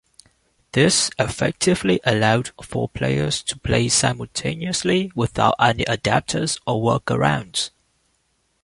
This effectively allowed four players to play simultaneously without any adapters or workarounds.